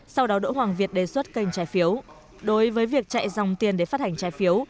sau đó đỗ hoàng việt đề xuất kênh trái phiếu đối với việc chạy dòng tiền để phát hành trái phiếu